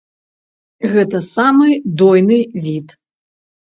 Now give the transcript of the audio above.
Гэта самы дойны від.